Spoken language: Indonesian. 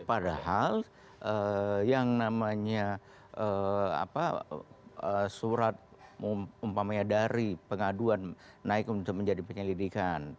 padahal yang namanya surat umpamanya dari pengaduan naik untuk menjadi penyelidikan